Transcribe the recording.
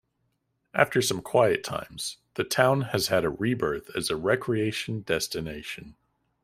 After some quiet times, the town has had a rebirth as a recreation destination.